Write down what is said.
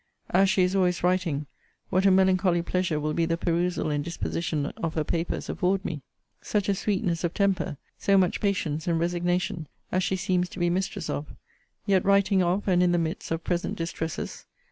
As she is always writing, what a melancholy pleasure will be the perusal and disposition of her papers afford me! such a sweetness of temper, so much patience and resignation, as she seems to be mistress of; yet writing of and in the midst of present distresses!